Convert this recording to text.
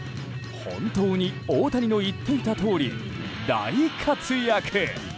本当に大谷の言っていたとおり大活躍！